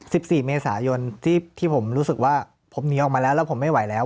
สิบสี่เมษายนที่ที่ผมรู้สึกว่าผมหนีออกมาแล้วแล้วผมไม่ไหวแล้ว